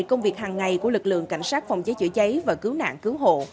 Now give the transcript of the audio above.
trải nghiệm hàng ngày của lực lượng cảnh sát phòng cháy chữa cháy và cứu nạn cứu hộ